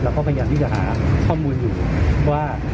พยายามที่จะหาข้อมูลอยู่ว่า